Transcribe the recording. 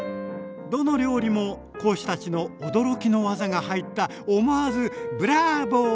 どの料理も講師たちの驚きの技が入った思わずブラボー！